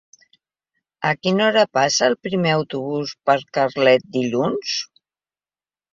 A quina hora passa el primer autobús per Carlet dilluns?